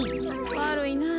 わるいなぁ。